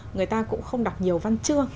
người ta cũng không đọc nhiều văn chương